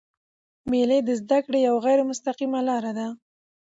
مېلې د زدهکړي یوه غیري مستقیمه لاره ده.